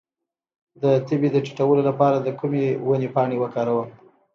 د تبې د ټیټولو لپاره د کومې ونې پاڼې وکاروم؟